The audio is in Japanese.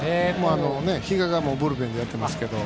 比嘉がブルペンでもうやっていますけど。